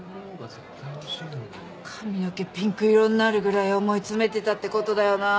髪の毛ピンク色になるぐらい思い詰めてたって事だよな。